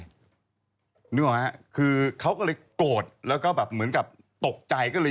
นึกออกไหมฮะคือเขาก็เลยโกรธแล้วก็แบบเหมือนกับตกใจก็เลย